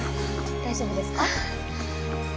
大丈夫ですか？